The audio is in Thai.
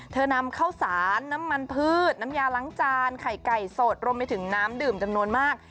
นำข้าวสารน้ำมันพืชน้ำยาล้างจานไข่ไก่สดรวมไปถึงน้ำดื่มจำนวนมาก